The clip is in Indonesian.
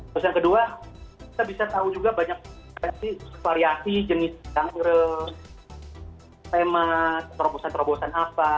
terus yang kedua kita bisa tahu juga banyak variasi jenis genre tema terobosan terobosan apa